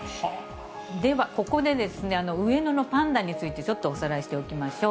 では、ここでですね、上野のパンダについて、ちょっとおさらいしておきましょう。